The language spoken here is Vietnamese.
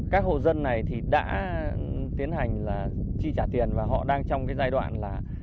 các hộ dân này thì đã tiến hành là chi trả tiền và họ đang trong cái giai đoạn là